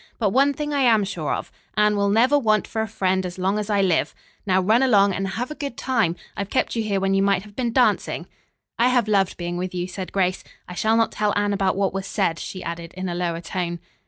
But one thing I am sure of, Anne shall never want for a friend as long as I live. Now run along and have a good time. I've kept you here when you might have been dancing." "I have loved being with you," said Grace. "I shall not tell Anne about what was said," she added in a lower tone.